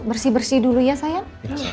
bersih bersih dulu ya sayang